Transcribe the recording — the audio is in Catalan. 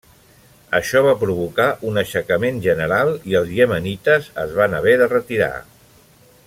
Això va provocar un aixecament general i els iemenites es van haver de retirar.